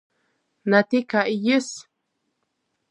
Na tikai jis.